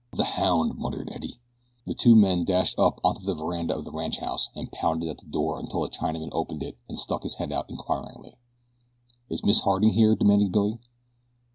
"The hound!" muttered Eddie. The two men dashed up onto the veranda of the ranchhouse and pounded at the door until a Chinaman opened it and stuck out his head, inquiringly. "Is Miss Harding here?" demanded Billy.